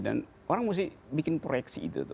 dan orang mesti bikin proyeksi itu